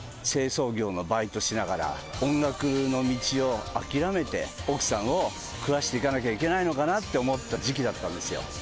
清掃業のバイトしながら音楽の道を諦めて奥さんを食わしていかなきゃいけないのかなって思った時期だったんですよ。